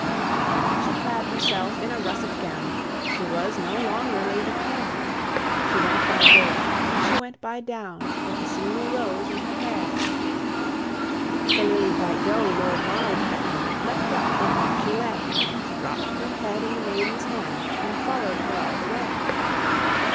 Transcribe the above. She clad herself in a russet gown, She was no longer Lady Clare: She went by dale, and she went by down, With a single rose in her hair. The lily white doe Lord Ronald had brought Leapt up from where she lay, Dropt her head in the maiden's hand, And follow'd her all the way.